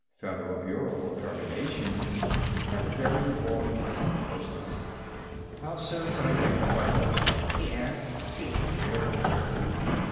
"Federal Bureau of Termination," said the very warm voice of a hostess. "How soon could I get an appointment?" he asked, speaking very carefully.